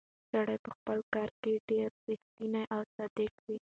سړی په خپل کار کې ډېر ریښتونی او صادق و.